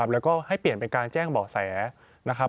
แล้วก็ให้เปลี่ยนเป็นการแจ้งเบาะแสนะครับ